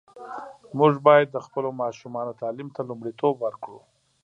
موږ باید د خپلو ماشومانو تعلیم ته لومړیتوب ورکړو.